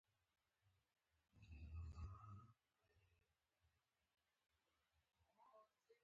زه به لاړ شم، خو زړه مې همدلته پرېږدم.